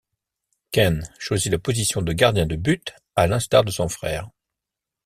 Ken choisit la position de gardien de but, à l'instar de son frère.